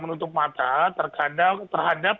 menutup mata terhadap